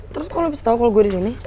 terus kok lu bisa tau kalo gue di sini